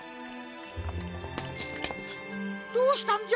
どうしたんじゃ？